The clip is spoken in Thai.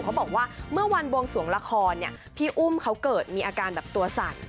บอกว่าเมื่อวันบวงสวงละครเนี่ยพี่อุ้มเขาเกิดมีอาการแบบตัวสั่น